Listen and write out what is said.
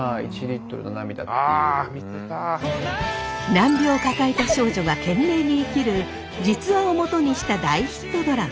難病を抱えた少女が懸命に生きる実話をもとにした大ヒットドラマ。